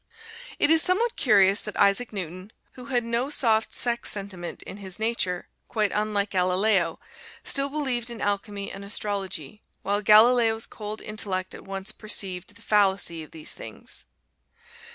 It is somewhat curious that Isaac Newton, who had no soft sex sentiment in his nature, quite unlike Galileo, still believed in alchemy and astrology, while Galileo's cold intellect at once perceived the fallacy of these things.